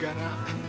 ya ga ada yang sekali